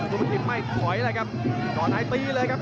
สุภกิจไม่ถอยเลยครับก่อนในตีเลยครับ